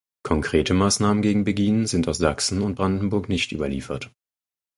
Konkrete Maßnahmen gegen Beginen sind aus Sachsen und Brandenburg nicht überliefert.